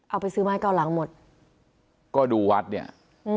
เอาไปซื้อไม้เก้าหลังหมดก็ดูวัดเนี่ยอืม